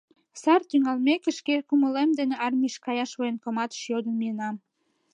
Сар тӱҥалмеке, шке кумылем дене армийыш каяш военкоматыш йодын миенам.